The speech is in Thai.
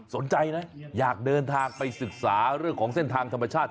สนใจนะอยากเดินทางไปศึกษาเรื่องของเส้นทางธรรมชาติ